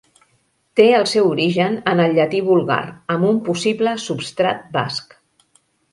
Té el seu origen en el llatí vulgar, amb un possible substrat basc.